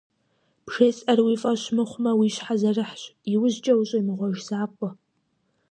БжесӀэр уи фӀэщ мыхъумэ, уи щхьэ зэрыхьщ, иужькӀэ ущӀемыгъуэж закъуэ.